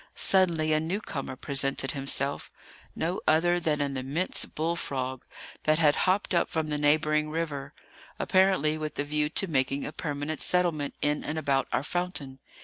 Suddenly a new comer presented himself,—no other than an immense bull frog, that had hopped up from the neighbouring river, apparently with a view to making a permanent settlement in and about our fountain.